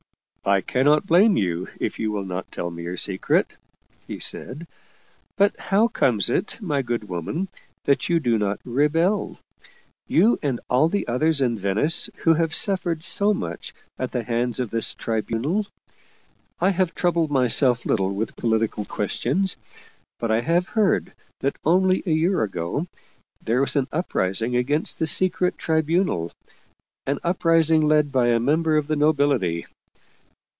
" I cannot blame you if you will not tell me your secret/' he said. " But how comes it, my good woman, that you do not rebel? you and all the others in Venice who have suffered so much at the hands of this Tribunal? I have troubled myself little with political questions, but I have heard that only a year ago there was an uprising against the Secret Tribunal, an uprising led by a member of the nobility.